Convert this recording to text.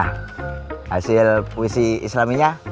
hasil puisi islaminya